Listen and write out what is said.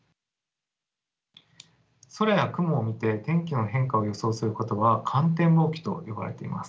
空や雲を見て天気の変化を予想することは観天望気と呼ばれています。